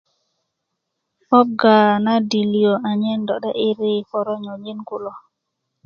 'bogaá na dilyo a nyen dó déiri koro'yo nyin kuló